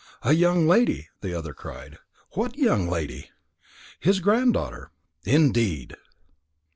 "A young lady!" the other cried. "What young lady?" "His granddaughter." "Indeed!"